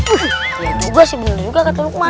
iya juga sih bener juga kata lukman